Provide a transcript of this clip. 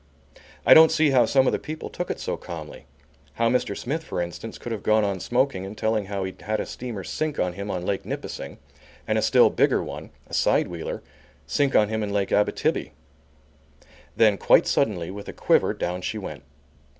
I don't see how some of the people took it so calmly; how Mr. Smith, for instance, could have gone on smoking and telling how he'd had a steamer "sink on him" on Lake Nipissing and a still bigger one, a side wheeler, sink on him in Lake Abbitibbi. Then, quite suddenly, with a quiver, down she went.